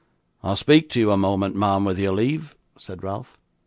'I'll speak to you a moment, ma'am, with your leave,' said Ralph.